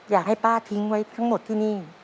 อยากให้ป้าทิ้งไว้ทั้งหมดที่นี่